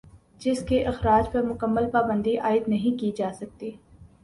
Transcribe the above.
جس کے اخراج پر مکمل پابندی عائد نہیں کی جاسکتی